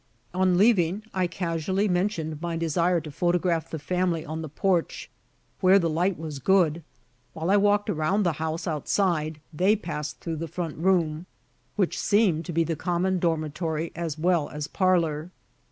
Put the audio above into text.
On leaving, I casually mentioned my desire to photograph the family on the porch, where the light was good. While I walked around the house outside, they passed through the front room, which seemed to be the common dormitory as well as parlor.